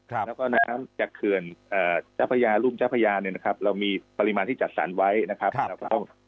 แล้วก็น้ำจากเขื่อนรุ่นเจ้าพระยาเรามีปริมาณที่จัดสรรไว้นะครับ